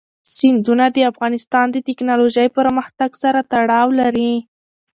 سیندونه د افغانستان د تکنالوژۍ پرمختګ سره تړاو لري.